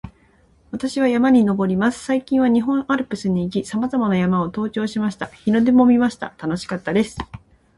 私は山に登ります。最近は日本アルプスに行き、さまざまな山を登頂しました。日の出も見ました。楽しかったです